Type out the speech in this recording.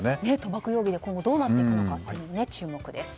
賭博容疑で今後どうなっていくのか注目です。